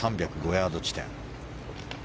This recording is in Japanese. ３０５ヤード地点。